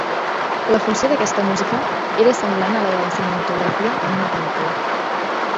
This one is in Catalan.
La funció d'aquesta música era semblant a la de la cinematogràfica en una pel·lícula.